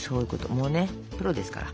もうねプロですから。